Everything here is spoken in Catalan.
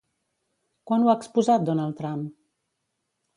Quan ho ha exposat Donald Trump?